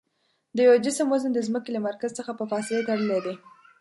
د یوه جسم وزن د ځمکې له مرکز څخه په فاصلې تړلی دی.